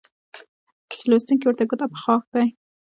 چې لوستونکى ورته ګوته په غاښ دى